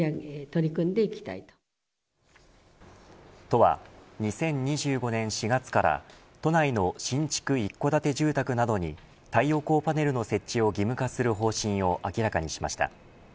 都は２０２５年４月から都内の新築一戸建て住宅などに太陽光パネルの設置を義務化する方針を明らかにしました。